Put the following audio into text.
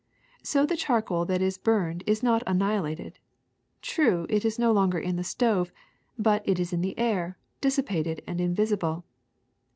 ''So the charcoal that is burned is not annihilated. True, it is no longer in the stove ; but it is in the air, dissipated and invisible.